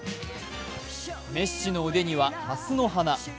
メッシの腕にははすの花。